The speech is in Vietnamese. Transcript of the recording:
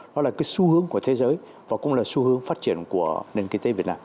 nó là cái xu hướng của thế giới và cũng là xu hướng phát triển của nền kinh tế việt nam